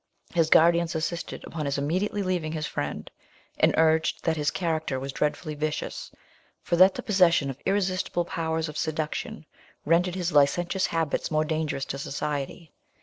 His guardians insisted upon his immediately leaving his friend, and urged, that his character was dreadfully vicious, for that the possession of irresistible powers of seduction, rendered his licentious habits more dangerous to society.